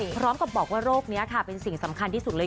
พร้อมกับบอกว่าโรคนี้ค่ะเป็นสิ่งสำคัญที่สุดเลย